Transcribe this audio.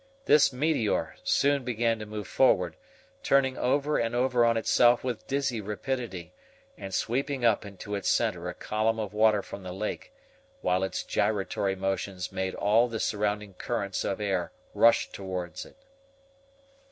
This meteor soon began to move forward, turning over and over on itself with dizzy rapidity, and sweeping up into its center a column of water from the lake, while its gyratory motions made all the surrounding currents of air rush toward it.